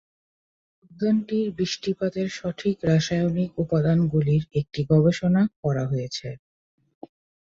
উদ্যানটির বৃষ্টিপাতের সঠিক রাসায়নিক উপাদানগুলির একটি গবেষণা করা হয়েছে।